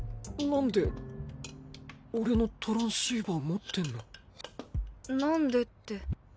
何で俺のトランシーバー持ってんの？何でって。